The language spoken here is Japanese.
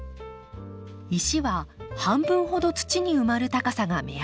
石は半分ほど土に埋まる高さが目安。